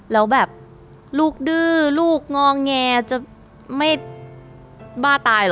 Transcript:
แล้วแบบลูกดื้อลูกงอแงจะไม่บ้าตายเหรอ